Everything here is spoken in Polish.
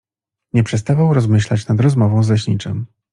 Nie przestawał rozmyślać nad rozmową z leśniczym.